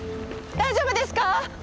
大丈夫ですか？